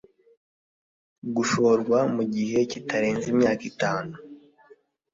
Gushorwa mu gihe kitarenze imyaka itanu